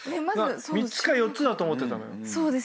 ３つか４つだと思ってたのよ。